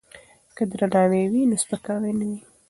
که درناوی وي نو سپکاوی نه وي.